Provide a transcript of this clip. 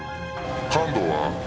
感度は？」